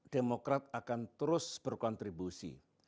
demokrat akan terus berkontribusi